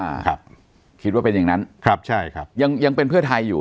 ครับคิดว่าเป็นอย่างนั้นครับใช่ครับยังยังเป็นเพื่อไทยอยู่